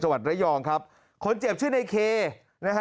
วัดระยองครับคนเจ็บชื่อในเคนะฮะ